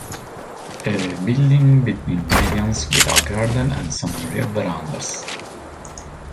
A building between medians, with a garden and some rear verandas.